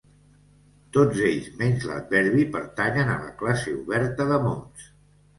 Tots ells, menys l'adverbi pertanyen a la classe oberta de mots.